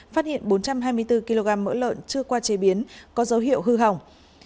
phát hiện bốn trăm hai mươi bốn kg mỡ lợn chưa qua chế biến có dấu hiệu hư hỏng